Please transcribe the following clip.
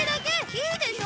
いいでしょ？